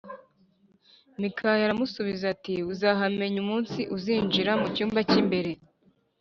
Mikaya aramusubiza ati “uzahamenya umunsi uzinjira mu cyumba cy’imbere”